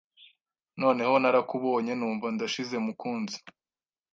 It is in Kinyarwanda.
Noneho narakubonye numva ndashize mukunzi